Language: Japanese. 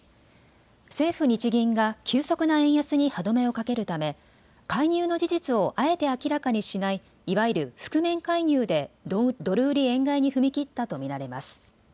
政府・日銀が急速な円安に歯止めをかけるため介入の事実をあえて明らかにしないいわゆる覆面介入でドル売り円買いに踏み切ったと見られます。